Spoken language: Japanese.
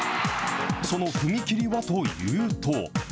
その踏み切りはというと。